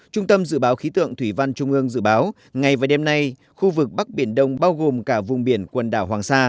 trung tâm dự báo khí tượng thủy văn trung ương dự báo ngày và đêm nay khu vực bắc biển đông bao gồm cả vùng biển quần đảo hoàng sa